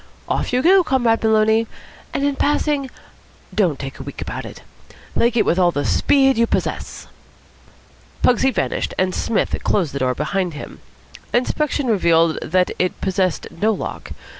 Off you go, Comrade Maloney. And, in passing, don't take a week about it. Leg it with all the speed you possess." Pugsy vanished, and Psmith closed the door behind him. Inspection revealed the fact that it possessed no lock.